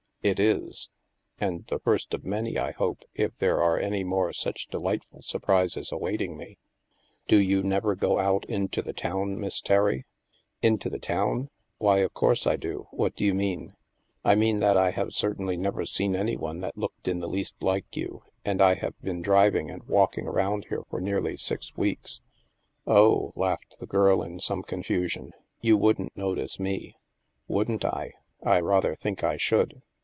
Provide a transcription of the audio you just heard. " It is. And the first of many, I hope, if there are any more such delightful surprises awaiting me. Do you never go out into the town, Miss Terry? "" Into the town ? Why, of course I do. What do you mean ?"I mean that I have certainly never seen any one that looked in the least like you, and I have been driving and walking around here for nearly six weeks." " Oh," laughed the girl in some confusion, " you wouldn't notice me." " Wouldn't I ? I rather think I should."